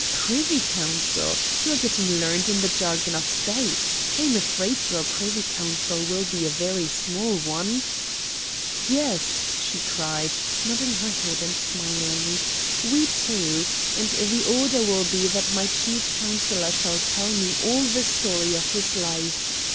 "Privy Council! You are getting learned in the jargon of State. I am afraid your Privy Council will be a very small one." "Yes," she cried, nodding her head and smiling. "We two. And the order will be that my chief councillor shall tell me all the story of his life.